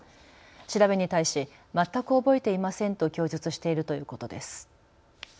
調べに対し全く覚えていませんと供述しているということです。